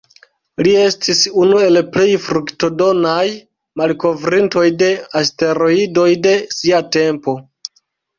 Li estis unu el plej fruktodonaj malkovrintoj de asteroidoj de sia tempo.